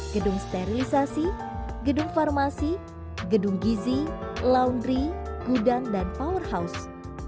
gedung sterilisasi gedung farmasi gedung gizi laundry gudang dan powerhouse